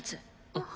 あっ。